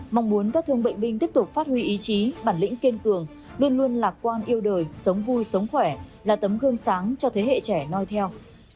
mong muốn các thương bệnh binh tiếp tục phát huy ý chí bản lĩnh kiên cường luôn luôn lạc quan yêu đời sống vui sống khỏe là tấm gương sáng cho thế hệ trẻ nói theo